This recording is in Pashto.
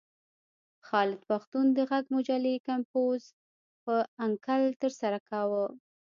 خالد پښتون د غږ مجلې کمپوز په انکل ترسره کاوه.